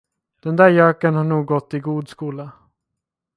Den där göken har nog gått i god skola.